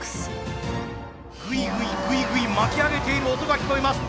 ぐいぐいぐいぐい巻き上げている音が聞こえます。